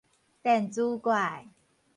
電磁怪